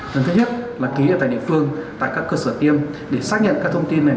lần thứ nhất là ký ở tại địa phương tại các cơ sở tiêm để xác nhận các thông tin này